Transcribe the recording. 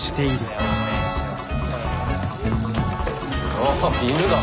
あっ犬だ。